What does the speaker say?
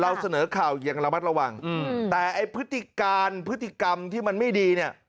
เสนอข่าวยังระมัดระวังแต่ไอ้พฤติการพฤติกรรมที่มันไม่ดีเนี่ย